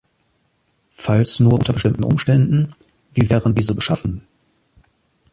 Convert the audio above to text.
Falls nur unter bestimmten Umständen, wie wären diese beschaffen?